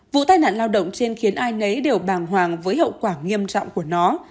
vụ tai nạn lao động trên khiến ai nấy đều bàng hoàng với hậu quả nghiêm trọng của nó